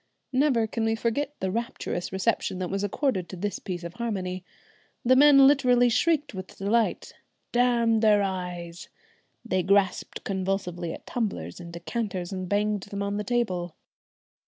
Never can we forget the rapturous reception that was accorded to this piece of harmony. The men literally shrieked with delight. "Damn their eyes!" they grasped convulsively at tumblers and decanters and banged them on the table.